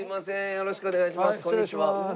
よろしくお願いします。